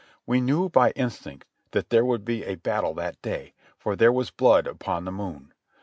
We knew by instinct that there would be a battle that day ; for there was blood upon the moon.